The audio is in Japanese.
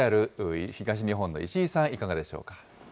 ＪＲ東日本の石井さん、いかがでしょうか。